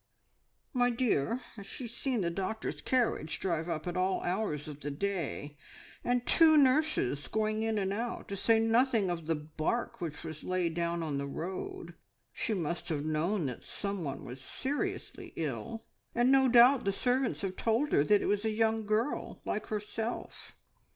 "My dear, she has seen the doctor's carriage drive up at all hours of the day, and two nurses going in and out, to say nothing of the bark which was laid down on the road. She must have known that someone was seriously ill, and no doubt the servants have told her that it was a young girl like herself.